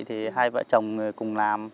thì hai vợ chồng cùng làm